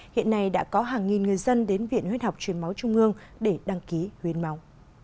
hiện nay đã có hàng nghìn người dân đến viện huyết học truyền máu trung ương để đăng ký hiến máu